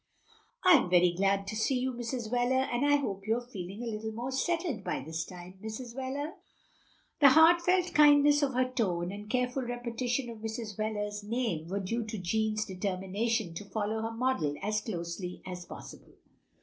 " I am very glad to see you, Mrs. Wheler, and I hope you are feeling a little more settled by this time, Mrs. Wheler?" The heartfelt kindness of her tone, and careful repetition of Mrs. Wheler's name, were due to Jeanne's determination to follow her model as closely as possible.